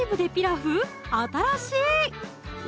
新しい！